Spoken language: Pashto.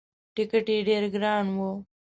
ټکت یې ډېر ګران وو.